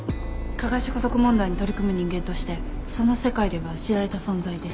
加害者家族問題に取り組む人間としてその世界では知られた存在です。